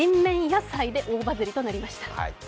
野菜で大バズりとなりました。